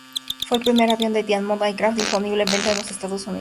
Fue el primer avión de Diamond Aircraft disponible en venta en los Estados Unidos.